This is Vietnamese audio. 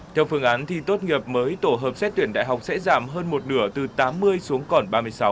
theo phương án thi tốt nghiệp mới tổ hợp xét tuyển đại học sẽ giảm hơn một nửa từ tám mươi xuống còn ba mươi sáu